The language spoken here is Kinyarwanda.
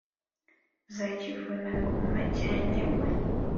za kivuna-ngoma cya nyangwe